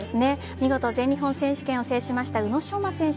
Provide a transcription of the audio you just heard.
見事、全日本成績を制した宇野昌磨選手。